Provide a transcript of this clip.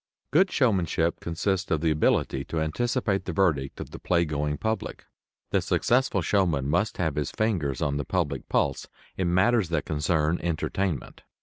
Good showmanship consists of the ability to anticipate the verdict of the playgoing public. The successful showman must have his fingers on the public pulse in matters that concern entertainment.